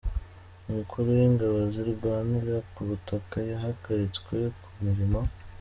Umukuru w’ingabo zirwanira ku butaka yahagaritswe ku mirimo